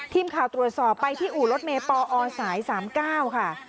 ทีมข่าวตรวจสอบไปที่อู่รถเมย์ปอสาย๓๙ค่ะ